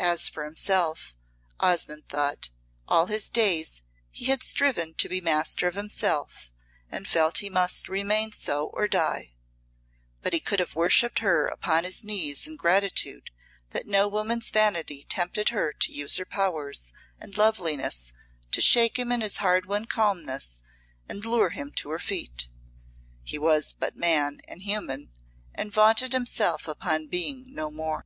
As for himself, Osmonde thought, all his days he had striven to be master of himself, and felt he must remain so or die; but he could have worshipped her upon his knees in gratitude that no woman's vanity tempted her to use her powers and loveliness to shake him in his hard won calmness and lure him to her feet. He was but man and human, and vaunted himself upon being no more.